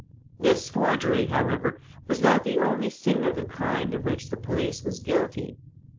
This forgery, however, was not the only thing of the kind of which the police was guilty.